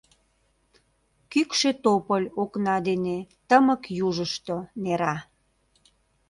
Кӱкшӧ тополь окна дене Тымык южышто нера.